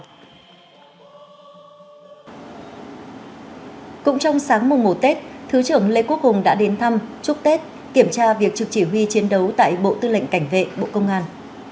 cũng trong sáng mùa tết thứ trưởng lê quốc hùng đã đến thăm chúc tết kiểm tra việc trực chỉ huy chiến đấu tại bộ tư lệnh cảnh vệ bộ công an